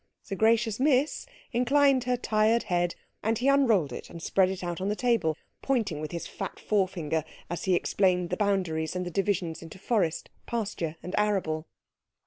The gracious Miss inclined her tired head, and he unrolled it and spread it out on the table, pointing with his fat forefinger as he explained the boundaries, and the divisions into forest, pasture, and arable.